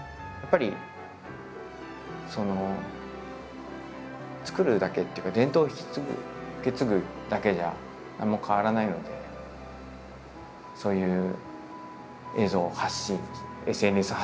やっぱりその作るだけっていうか伝統を引き継ぐ受け継ぐだけじゃ何も変わらないのでそういう映像を発信ＳＮＳ発信